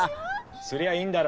すりゃあいいんだろ！